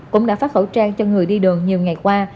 cũng đã phát khẩu trang cho người đi đường nhiều ngày qua